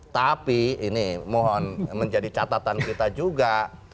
tapi ini mohon menjadi catatan kita juga